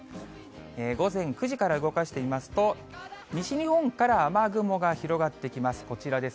午前９時から動かしてみますと、西日本から雨雲が広がってきます。